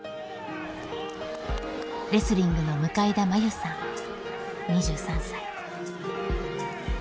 レスリングの向田真優さん２３歳。